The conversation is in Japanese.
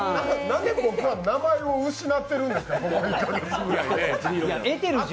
何で僕は名前を失ってるんですか？